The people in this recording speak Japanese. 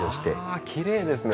あきれいですね。